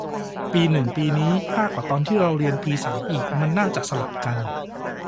ปีหนึ่งปีนี้ ยากกว่า ตอนที่เราเรียนปีสามอีก มันน่าจะสลับกัน